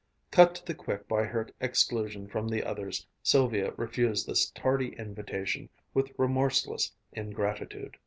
Cut to the quick by her exclusion from the others, Sylvia refused this tardy invitation with remorseless ingratitude.